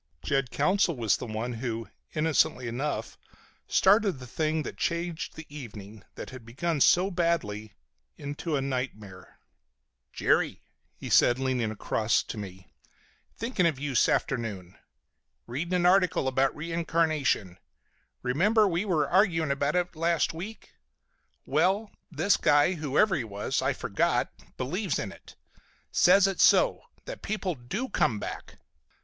Jed Counsell was the one who, innocently enough, started the thing that changed the evening, that had begun so badly, into a nightmare. "Jerry," he said, leaning across to me, "thinkin' of you s'afternoon. Readin' an article about reincarnation. Remember we were arguin' it last week? Well, this guy, whoever he was I've forgot, believes in it. Says it's so. That people do come back."